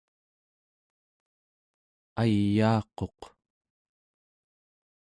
ayaaquq